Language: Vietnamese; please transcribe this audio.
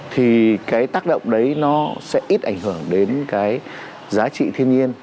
thì cái tác động đấy nó sẽ ít ảnh hưởng đến cái giá trị thiên nhiên